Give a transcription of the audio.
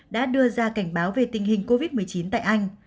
đã đưa ra cảnh báo về tình hình covid một mươi chín tại anh